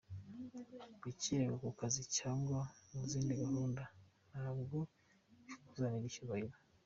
Gukererwa ku kazi cyangwa mu zindi gahunda ntabwo bikuzanira icyubahiro.